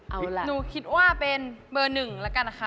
เอาล่ะหนูคิดว่าเป็นเบอร์หนึ่งแล้วกันนะคะ